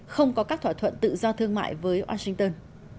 không có các thỏa thuận tự do thương mại với washington